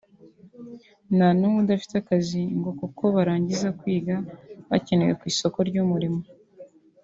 nta numwe udafite akazi ngo kuko barangiza kwiga bakenewe ku isoko ry’umurimo